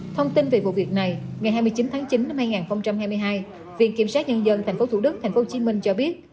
thông tin về vụ việc này ngày hai mươi chín tháng chín năm hai nghìn hai mươi hai viện kiểm sát nhân dân tp thủ đức tp hcm cho biết